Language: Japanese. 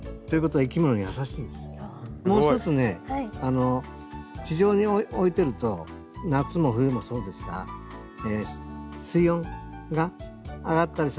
もう一つね地上に置いてると夏も冬もそうですが水温が上がったり下がったりしやすいんですね。